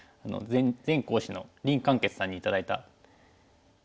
前講師の林漢傑さんに頂いた扇子。